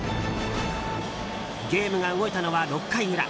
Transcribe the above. ゲームが動いたのは６回裏。